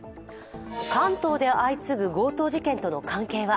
関東で相次ぐ強盗事件との関係は？